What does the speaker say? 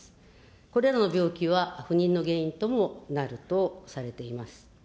これらの病気は不妊の原因ともなるとされています。